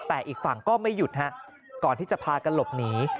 แต่อีกฝั่งก็ไม่หยุดฮะก่อนที่จะพากันหลบหนี